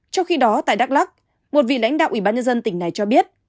trong khi đó tại đắk lắc một vị lãnh đạo ủy ban nhân dân tỉnh này cho biết